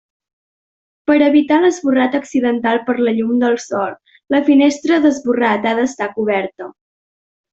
Per evitar l'esborrat accidental per la llum del sol, la finestra d'esborrat ha d'estar coberta.